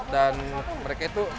dan mereka itu